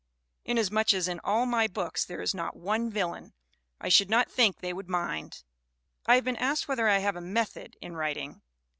Inasmuch as in all my books there is not one villain, I should not think they would mind. "I have been asked whether I have a 'method' in writing.